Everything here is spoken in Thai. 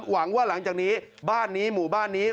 หวังว่าหลังจากนี้บ้านนี้หมู่บ้านนี้